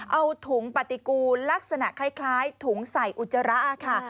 เอาถุงปฏิกูลลักษณะคล้ายถุงใส่อุจจาระค่ะ